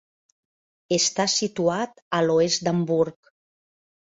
Està situat a l'oest d'Hamburg.